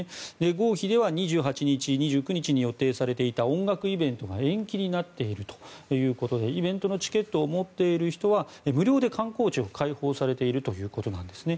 合肥では２８日、２９日に予定されていた音楽イベントが延期になっているということでイベントのチケットを持っている人は無料で観光地を開放されているということなんですね。